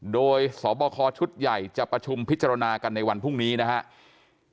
โดยสบคชุดใหญ่จะประชุมพิจารณากันในวันพรุ่งนี้นะครับ